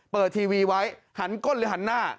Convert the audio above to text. ทีวีไว้หันก้นหรือหันหน้า